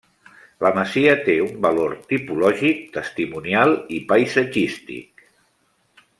La masia té un valor tipològic, testimonial i paisatgístic.